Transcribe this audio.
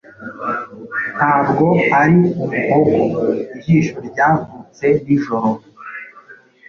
ntabwo ari umuhogo ', ijisho ryavutse nijoro,